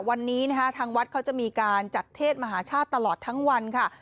วันนี้นะคะทางวัดเขาจะมีการจัดเทศมหาชาติตลอดทั้งวันค่ะ